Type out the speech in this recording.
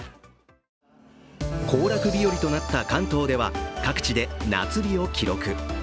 行楽日和となった関東では各地で夏日を記録。